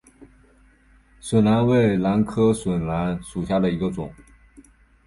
笋兰为兰科笋兰属下的一个种。